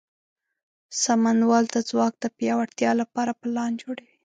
سمونوال د ځواک د پیاوړتیا لپاره پلان جوړوي.